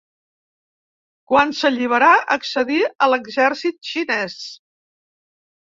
Quan se l'alliberà, accedí a l'exèrcit xinès.